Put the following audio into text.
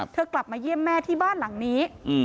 กลับมาเยี่ยมแม่ที่บ้านหลังนี้